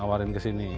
awarin ke sini